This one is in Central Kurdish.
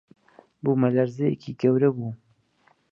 بوومەلەرزەیێکی گەورە بوو